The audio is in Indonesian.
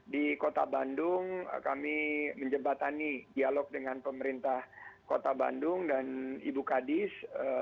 di kota bandung kami menjembatani dialog dengan pemerintah kota bandung dan ibu kadis